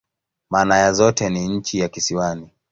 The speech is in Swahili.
Maana ya zote ni "nchi ya kisiwani.